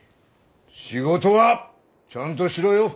仕事はちゃんとしろよ！